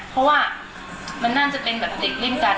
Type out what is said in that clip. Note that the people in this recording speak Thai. เพราะว่ามันน่าจะเป็นแบบเด็กเล่นกัน